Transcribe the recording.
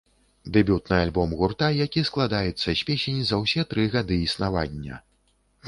Дэбютны альбом гурта, які складаецца з песень за ўсе тры гады існавання.